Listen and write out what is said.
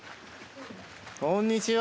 こんにちは！